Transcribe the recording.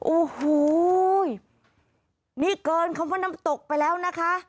โอ้โหนี่เกินคำว่าน้ำตกไปแล้วนะคะ